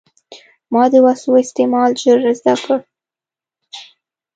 ما د وسلو استعمال ژر زده کړ.